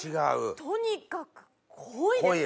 とにかく濃いです。